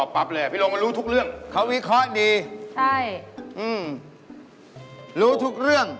ไม่ใช่แก้วธรรมดาเพราะนี่คือ